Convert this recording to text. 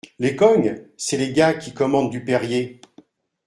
Les cognes ? C’est les gars qui commandent du Perrier !